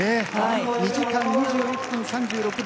２時間２１分３６秒